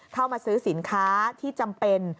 เข้ามาซื้อสินค้าที่จำเป็น